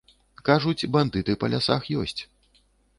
Кажуць, бандыты па лясах ёсць.